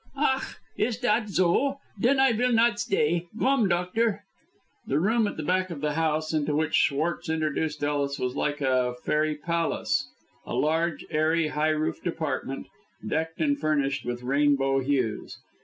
"Ach! is dat zo? Then I vill not sday. Gome, doctor." The room at the back of the house, into which Schwartz introduced Ellis, was like a fairy palace. A large, airy, high roofed apartment, decked and furnished with rainbow hues.